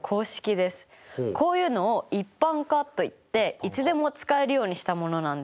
こういうのを「一般化」といっていつでも使えるようにしたものなんです。